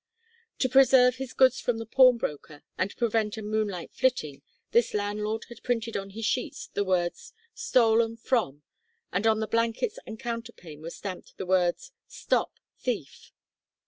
To preserve his goods from the pawnbroker, and prevent a moonlight flitting, this landlord had printed on his sheets the words "stolen from " and on the blankets and counterpane were stamped the words "stop thief!"